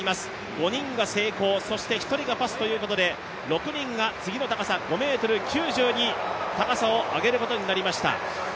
５人が成功、そして１人がパスということで６人が次の高さ５ｍ９０に高さを上げることになりました。